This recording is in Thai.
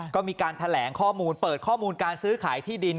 ก็มีการแถลงข้อมูลเปิดข้อมูลการซื้อขายที่ดิน